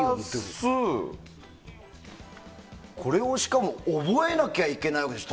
これをしかも覚えなきゃいけないわけでしょ。